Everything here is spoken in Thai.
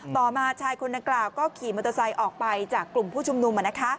ต่อมาชายคนนางกล่าวก็ขี่มอเตอร์ไซค์ออกไปจากกลุ่มผู้ชุมนุม